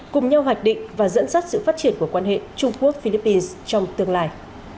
cùng nhau hoạch định và dẫn dắt sự phát triển của quan hệ trung quốc philippines trong tương lai